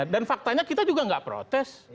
dan faktanya kita juga nggak protes